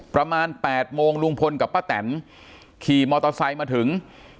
ประมาณ๘โมงลุงพลกับป้าแตนขี่มอเตอร์ไซค์มาถึง